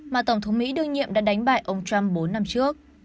mà tổng thống mỹ đương nhiệm đã đánh bại ông trump bốn năm trước